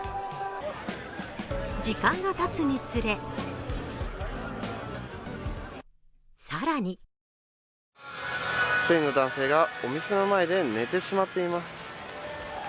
時間がたつにつれ更に１人の男性がお店の前で寝てしまっています。